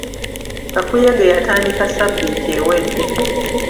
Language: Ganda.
Kakuyege yatandika sabbiiti ewedde.